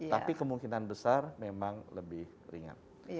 tapi kemungkinan besar memang lebih ringan